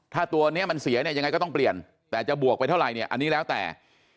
ถ้าตัวนี้มันเสียเนี่ยยังไงก็ต้องเปลี่ยนแต่จะบวกไปเท่าไหร่เนี่ยอันนี้แล้วแต่